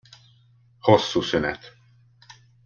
Hosszú szünet.